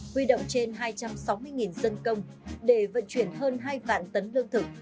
huy động trên hai trăm sáu mươi dân công để vận chuyển hơn hai vạn tấn lương thực